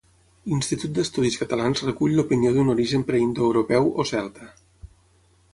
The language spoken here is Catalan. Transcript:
L'Institut d'Estudis Catalans recull l'opinió d'un origen preindoeuropeu o celta.